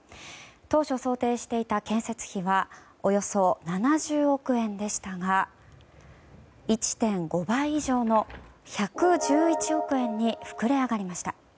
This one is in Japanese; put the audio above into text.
当初想定していた建設費はおよそ７０億円でしたが１．５倍以上の１１１億円に膨れ上がりました。